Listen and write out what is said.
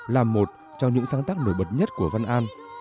là một trong những sáng tác nổi bật nhất của văn an